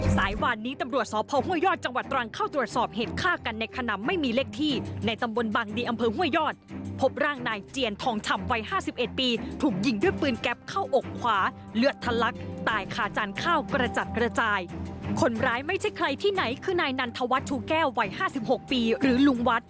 ธวรรษทูแก้ววัย๕๖ปีหรือลุงวัด